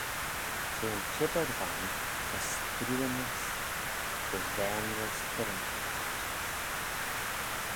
She yn çhibbyr veih ta' strooanys dy vaynrys firrinagh çheet.